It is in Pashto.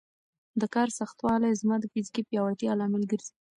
د کار سختوالی زما د فزیکي پیاوړتیا لامل ګرځي.